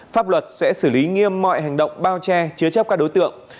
pháp luật sẽ xử lý nghiêm mọi hành động bao che chứa chấp các đối tượng